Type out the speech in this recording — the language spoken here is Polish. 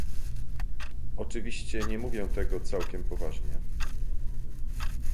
Oczywiście nie mówię tego całkiem poważnie